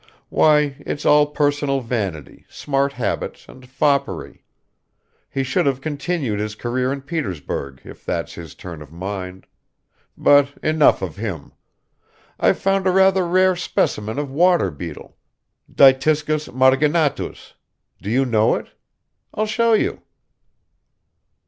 Why, it's all personal vanity, smart habits, and foppery. He should have continued his career in Petersburg if that's his turn of mind ... But enough of him! I've found a rather rare specimen of water beetle, Dytiscus marginatus do you know it? I'll show you."